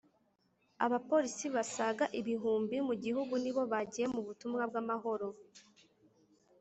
Abapolisi basaga ibihumbi mu gihugu nibo bagiye mu butumwa bw’amahoro